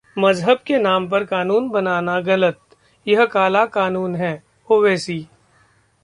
मजहब के नाम पर कानून बनाना गलत, यह काला कानून है: ओवैसी